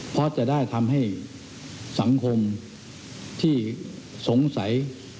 เพราะจะได้ทำให้สังคมที่สงสัย